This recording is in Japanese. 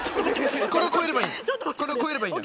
これを越えればいい。